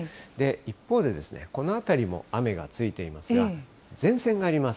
一方で、この辺りも雨がついていますが、前線があります。